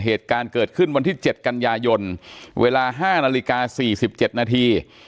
เหตุการณ์เกิดขึ้นวันที่๗กันยายนเวลา๕นาฬิกา๔๗นาที